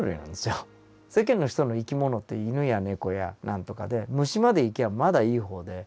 世間の人の生き物って犬や猫や何とかで虫までいきゃあまだいい方で。